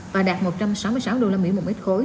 và đạt một trăm sáu mươi sáu đô la mỹ một mét khối